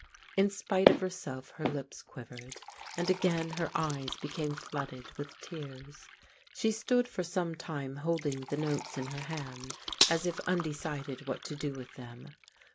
In spite of herself her lips quivered, and again her eyes became flooded with tears. She stood for some time holding the notes in her hand as if undecided what to do with them.